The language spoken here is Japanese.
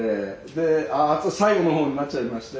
でああ最後の方になっちゃいまして。